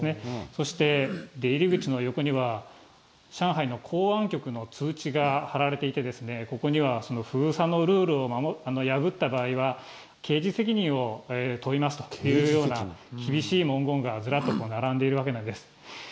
そして出入り口の横には、上海の公安局の通知が貼られていて、ここには封鎖のルールを破った場合は、刑事責任を問いますというような厳しい文言が、ずらっと並んでいるわけなんです。